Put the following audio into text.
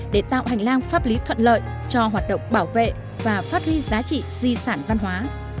để tạo hành lang pháp lý thuận lợi cho hoạt động bảo vệ và phát huy giá trị di sản văn hóa